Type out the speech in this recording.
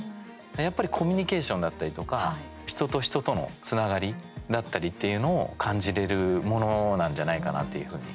やっぱりコミュニケーションだったりとか人と人とのつながりだったりっていうのを感じれるものなんじゃないかなというふうに。